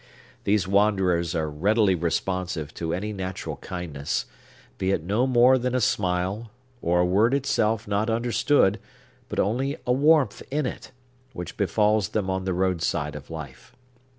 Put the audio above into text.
These wanderers are readily responsive to any natural kindness—be it no more than a smile, or a word itself not understood, but only a warmth in it—which befalls them on the roadside of life.